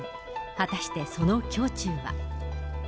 果たしてその胸中は。